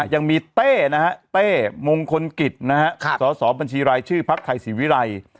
ยังมีเต้มงคลกิจสสบัญชีรายชื่อพรรคไทยศิวิรัย